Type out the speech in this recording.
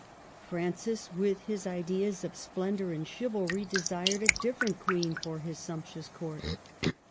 Francis, with his ideas of splendor and chivalry, desired a different queen for his sumptuous court.